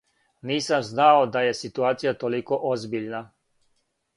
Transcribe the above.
Нисам знао да је ситуација толико озбиљна.